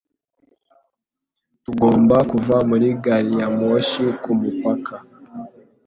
Tugomba kuva muri gari ya moshi kumupaka?